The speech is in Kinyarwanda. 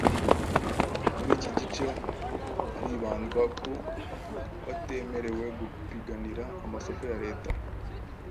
Muri iki gice haribandwa ku batemerewe gupiganira amasoko ya Leta,